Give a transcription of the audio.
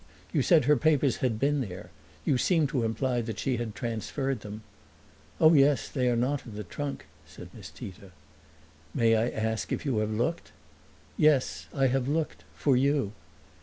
You said her papers had been there; you seemed to imply that she had transferred them." "Oh, yes; they are not in the trunk," said Miss Tita. "May I ask if you have looked?" "Yes, I have looked for you."